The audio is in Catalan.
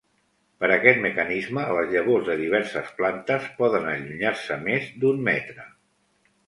Per aquest mecanisme les llavors de diverses plantes poden allunyar-se més d'un metre.